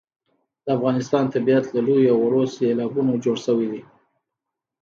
د افغانستان طبیعت له لویو او وړو سیلابونو جوړ شوی دی.